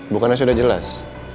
bukannya sudah jelas